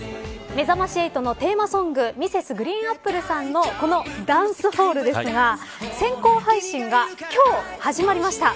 めざまし８のテーマソングＭｒｓ．ＧＲＥＥＮＡＰＰＬＥさんのこのダンスホールですが先行配信が今日始まりました。